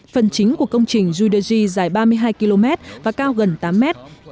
phần chính của công trình judeji dài ba mươi hai km và cao gần tám mét